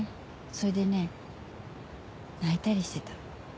それでね泣いたりしてた。